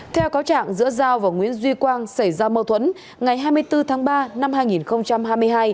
theo cáo trạng giữa giao và nguyễn duy quang xảy ra mâu thuẫn ngày hai mươi bốn tháng ba năm hai nghìn hai mươi hai